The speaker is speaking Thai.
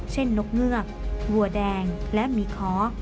นกเงือกวัวแดงและหมีขอ